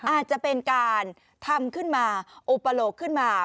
อาจจะเป็นการทำขึ้นมาอุปโลกขึ้นมา